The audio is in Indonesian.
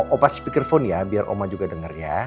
opa speakerphone ya biar oma juga denger ya